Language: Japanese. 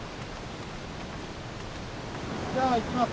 じゃあいきます。